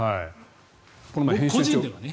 僕個人ではね。